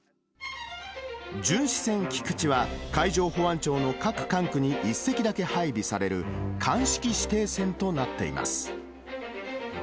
巡視船きくちは、海上保安庁の各管区に１隻だけ配備される鑑識指定船となっています。